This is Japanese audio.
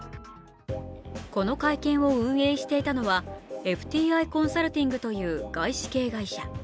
この会見を運営していたのは、ＦＴＩコンサルティングという外資系会社。